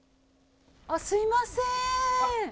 すいません。